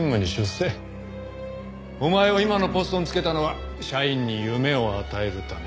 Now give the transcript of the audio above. お前を今のポストに就けたのは社員に夢を与えるため。